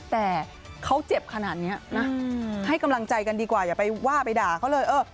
แต่เขาเจ็บขนาดนี้นะให้กำลังใจกันดีกว่าอย่าไปว่าไปด่าเขาเลยเออ